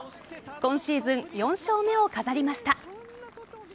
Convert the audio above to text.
今シーズン４勝目を飾りました。